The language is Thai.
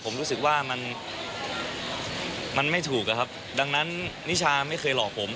ผมรู้สึกว่ามันมันไม่ถูกอะครับดังนั้นนิชาไม่เคยหลอกผม